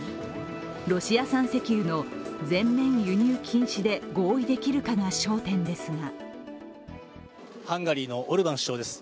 ロシア産石油の全面輸入禁止で合意できるかが焦点ですがハンガリーのオルバン首相です。